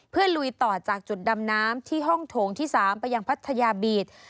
เพื่อลุยต่อจากจุดดำน้ำที่ห้องโถงที่๓ไปยังพัทยาบีต